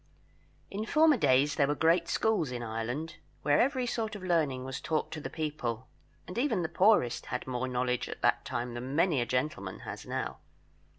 In former days there were great schools in Ireland, where every sort of learning was taught to the people, and even the poorest had more knowledge at that time than many a gentleman has now.